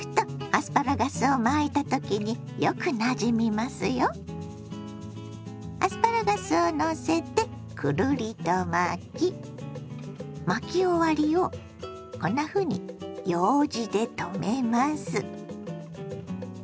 アスパラガスをのせてくるりと巻き巻き終わりをこんなふうにようじでとめます。